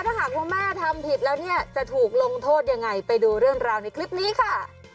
ถ้าหากว่าแม่ทำผิดแล้วเนี่ยจะถูกลงโทษยังไงไปดูเรื่องราวในคลิปนี้ค่ะ